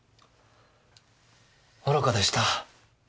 愚かでした。